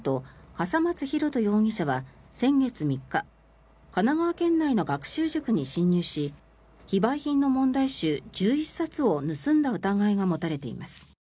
笠松大翔容疑者は先月３日神奈川県内の学習塾に侵入し非売品の問題集１１冊を盗んだ疑いが持たれています。